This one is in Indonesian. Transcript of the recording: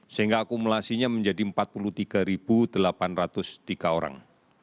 sehingga akumulasinya menjadi empat puluh tiga delapan ratus tiga orang